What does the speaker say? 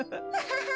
ハハハハ。